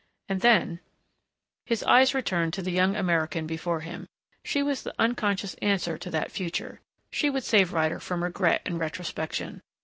And then His eyes returned to the young American before him. She was the unconscious answer to that future. She would save Ryder from regret and retrospection....